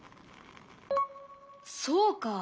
そうか。